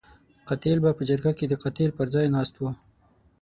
قاتل به په جرګه کې د قاتل پر ځای ناست وو.